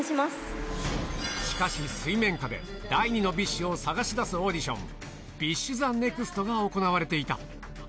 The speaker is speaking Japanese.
しかし、水面下で、第２のＢｉＳＨを探し出すオーディション、ＢｉＳＨＴＨＥＮＥＸＴが行われていた。